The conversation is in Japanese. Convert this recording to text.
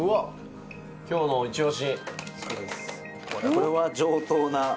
これは上等な。